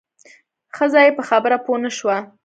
ښځه یې په خبره پوه نه شوه.